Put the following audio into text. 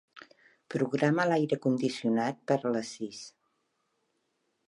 Programa l'aire condicionat per a les sis.